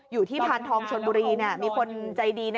อยู่ที่พันธองชนบุรีมีคนใจดีนะ